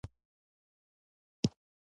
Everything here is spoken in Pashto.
د صبر او زغم تمرین ژوند ښه کوي.